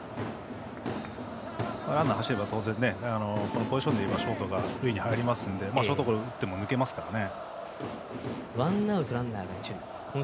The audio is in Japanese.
ランナーが走れば、当然ショートが塁に入りますのでショートゴロを打っても抜けますからね。